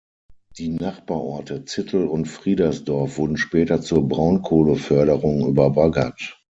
Die Nachbarorte Zittel und Friedersdorf wurden später zur Braunkohleförderung überbaggert.